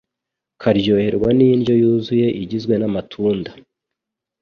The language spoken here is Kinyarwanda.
karyoherwa n’indyo yuzuye igizwe n’amatunda,